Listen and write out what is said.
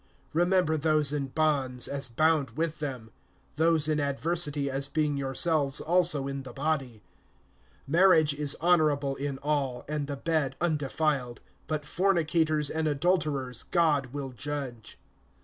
(3)Remember those in bonds, as bound with them; those in adversity, as being yourselves also in the body. (4)Marriage is honorable in all, and the bed undefiled[13:4]; but fornicators and adulterers God will judge.